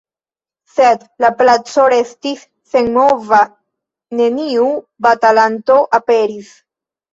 Sed la placo restis senmova, neniu batalanto aperis.